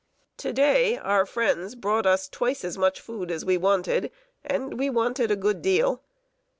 To day, our friends brought us twice as much food as we wanted, and we wanted a great deal.